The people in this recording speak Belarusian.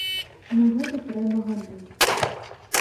На гэта трэба гады.